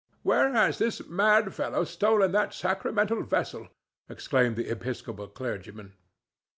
"Where has this mad fellow stolen that sacramental vessel?" exclaimed the Episcopal clergyman.